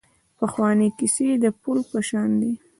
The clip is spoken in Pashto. پخوانۍ کیسې د پل په شان دي .